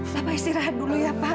sampai istirahat dulu ya pak